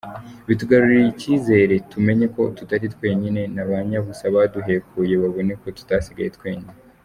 Bitugaruriye icyizere, tumenye ko tutari twenyine na ba nyabusa baduhekuye babona ko tutasigaye twenyine.